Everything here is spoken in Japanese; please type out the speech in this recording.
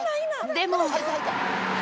でも。